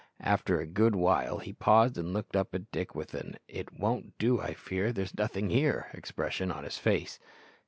After a good while he paused and looked up at Dick with an "it won't do, I fear, there's nothing here" expression on his face.